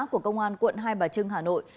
của công an quận hai bà trưng hà nội